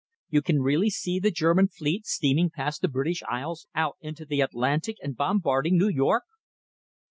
You can really see the German fleet steaming past the British Isles, out into the Atlantic, and bombarding New York!"